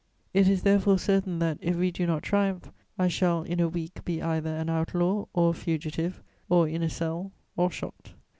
It is, therefore, certain that, if we do not triumph, I shall in a week be either an outlaw or a fugitive, or in a cell or shot.